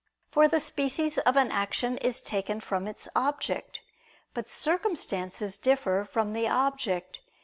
For the species of an action is taken from its object. But circumstances differ from the object.